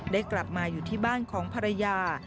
ได้กลับมาอยู่ที่บ้านของภรรยา